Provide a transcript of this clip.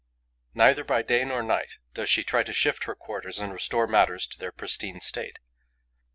Neither by day nor by night does she try to shift her quarters and restore matters to their pristine state.